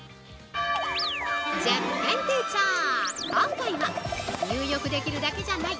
◆１０分ティーチャー、今回は入浴できるだけじゃない！